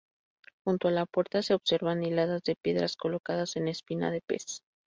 Junto a la puerta se observan hiladas de piedras colocadas en espina de pez.